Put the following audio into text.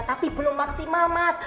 tapi belum maksimal mas